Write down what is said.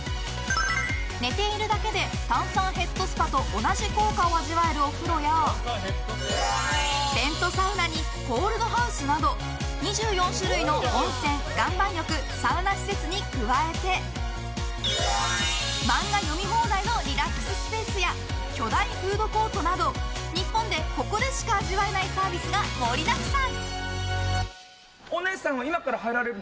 寝ているだけで炭酸ヘッドスパと同じ効果を味わえるお風呂やテントサウナにコールドハウスなど２４種類の温泉、岩盤浴サウナ施設に加えて漫画読み放題のリラックススペースや巨大フードコートなど日本でここでしか味わえないサービスが盛りだくさん。